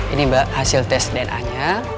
ini mbak hasil tes dna nya